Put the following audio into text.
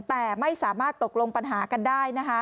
แต่ไม่สามารถตกลงปัญหากันได้นะคะ